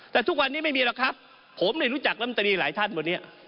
แต่ทุกวันนี้ไม่มีหรอกครับผมเนี่ยรู้จักลำตรีหลายท่านวันนี้